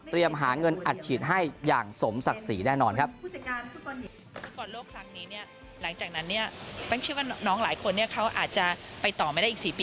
หาเงินอัดฉีดให้อย่างสมศักดิ์ศรีแน่นอนครับ